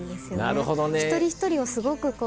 なるほどね。